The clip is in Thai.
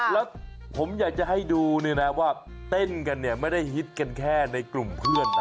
แล้วผมอยากจะให้ดูเนี่ยนะว่าเต้นกันเนี่ยไม่ได้ฮิตกันแค่ในกลุ่มเพื่อนนะ